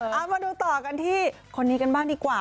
เอามาดูต่อกันที่คนนี้กันบ้างดีกว่า